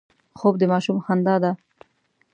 خوب د ماشوم خندا ده